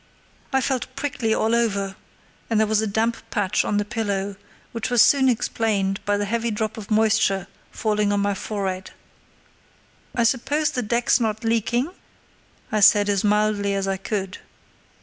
I felt prickly all over, and there was a damp patch on the pillow, which was soon explained by a heavy drop of moisture falling on my forehead. "I suppose the deck's not leaking?" I said, as mildly as I could.